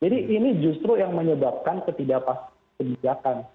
jadi ini justru yang menyebabkan ketidakpastian kebijakan